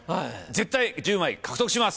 絶対１０枚獲得します！